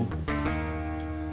mas suha jahat